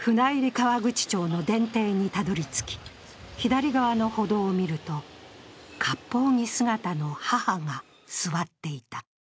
川口町の電停にたどりつき左側の歩道を見ると、かっぽう着姿の母が座っていた。